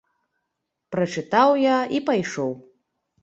Прачытаў я і пайшоў.